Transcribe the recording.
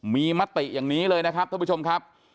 มีมติอย่างนี้เลยนะครับท่านผู้ชมครับ